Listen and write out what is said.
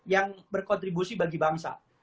yang berkontribusi bagi bangsa